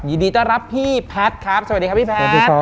ยินดีต้อนรับพี่แพทย์ครับสวัสดีครับพี่แพทย์